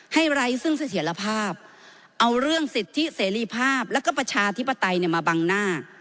ไร้ซึ่งเสถียรภาพเอาเรื่องสิทธิเสรีภาพแล้วก็ประชาธิปไตยมาบังหน้า